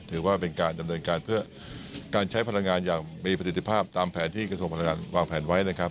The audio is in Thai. ถือว่าเป็นการดำเนินการเพื่อการใช้พลังงานอย่างมีประสิทธิภาพตามแผนที่กระทรวงพลังงานวางแผนไว้นะครับ